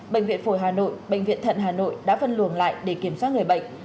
bệnh viện phổi hà nội bệnh viện thận hà nội đã phân luồng lại để kiểm soát người bệnh